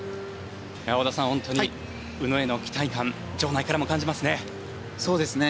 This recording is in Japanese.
織田さん、宇野への期待感場内からも感じますね。